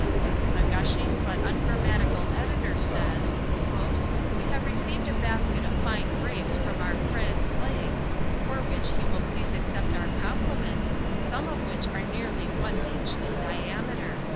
A gushing but ungrammatical editor says: "We have received a basket of fine grapes from our friend , for which he will please accept our compliments, some of which are nearly one inch in diameter."